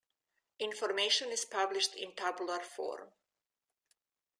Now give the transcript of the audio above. Information is published in tabular form.